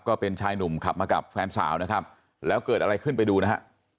ก็เป็นชายหนุ่มขับมากับแฟนสาวนะครับแล้วเกิดอะไรขึ้นไปดูนะฮะ